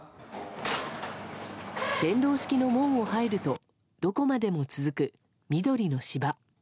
電動式の門を入るとどこまでも続く、緑の芝。